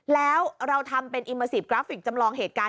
แล้วเราทำเป็นอิมเมอร์ซีฟกราฟิกจำลองเหตุการณ์